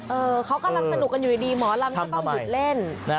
เออเขากำลังสนุกกันอยู่ดีหมอลำก็ต้องหยุดเล่น